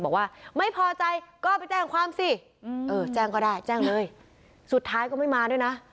บอกว่าไม่พอใจก็ไปแจ้งความสิเออแจ้งก็ได้แจ้งเลยสุดท้ายก็ไม่มาด้วยนะ